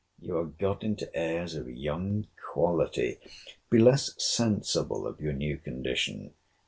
You are got into airs of young quality. Be less sensible of your new condition.